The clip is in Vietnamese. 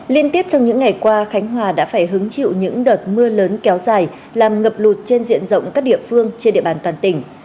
liên tiếp trong những ngày qua khánh hòa đã phải hứng chịu những đợt mưa lớn kéo dài làm ngập lụt trên diện rộng các địa phương trên địa bàn toàn tỉnh